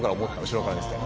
後ろから見てて。